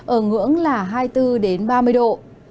ở ngưỡng là hai mươi bốn ba mươi độ